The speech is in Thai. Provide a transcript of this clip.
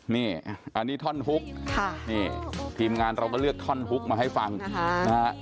นี่อันนี้ท่อนฮุกค่ะนี่ทีมงานเราก็เลือกท่อนฮุกมาให้ฟังนะฮะ